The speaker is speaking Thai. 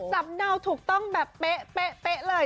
เนาถูกต้องแบบเป๊ะเลย